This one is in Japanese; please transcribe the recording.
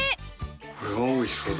これはおいしそうだ。